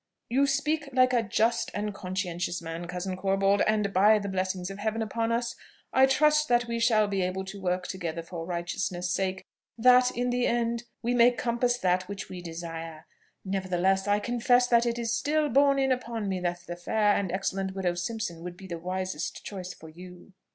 "You speak like a just and conscientious man, cousin Corbold; and, by the blessing of Heaven upon us, I trust that we shall be so able to work together for righteousness' sake, that in the end we may compass that which we desire. Nevertheless, I confess that it is still borne in upon me that the fair and excellent widow Simpson would be the wisest choice for you."